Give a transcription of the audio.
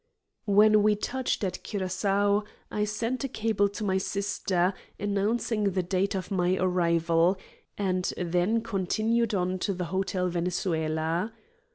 When we touched at Curacoa I sent a cable to my sister, announcing the date of my arrival, and then continued on to the Hotel Venezuela.